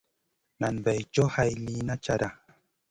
Nen bè co hai slina cata.